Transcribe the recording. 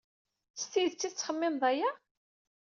S tidet ay tettxemmimed aya?